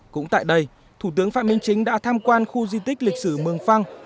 cũng tại đây thủ tướng phạm minh chính đã tham quan khu di tích lịch sử mường phăng